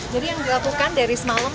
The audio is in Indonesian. jadi yang dilakukan dari semalam